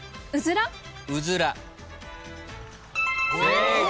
正解。